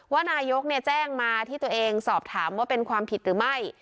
ว่านายกแจ้งมาที่ตัวเองสอบถามว่าเป็นความผิดหรือไม่